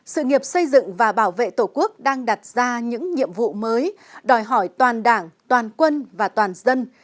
sự nghiệp xây dựng và bảo vệ tổ quốc đang đặt ra những nhiệm vụ mới đòi hỏi toàn đảng toàn quân và toàn dân